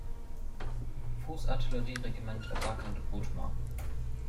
Fußartillerie-Regiment „vakant Bothmer“.